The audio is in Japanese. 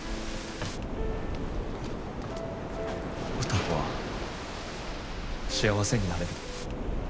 歌子は幸せになれる。